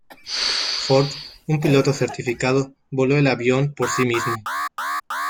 Ford, un piloto certificado, voló el avión por sí mismo.